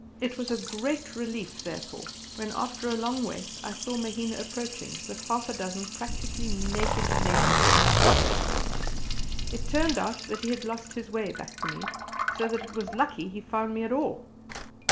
It was a great relief, therefore, when after a long wait I saw Mahina approaching with half a dozen practically naked natives in his train. It turned out that he had lost his way back to me, so that it was lucky he found me at all.